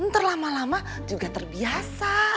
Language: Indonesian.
terlama lama juga terbiasa